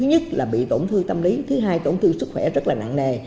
thứ nhất là bị tổn thương tâm lý thứ hai tổn thương sức khỏe rất là nặng nề